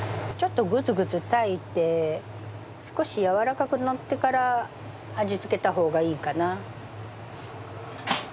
ちょっとグツグツ炊いて少しやわらかくなってから味付けた方がいいかな。